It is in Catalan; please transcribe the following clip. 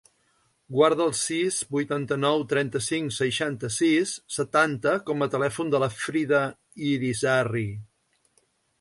Guarda el sis, vuitanta-nou, trenta-cinc, seixanta-sis, setanta com a telèfon de la Frida Irisarri.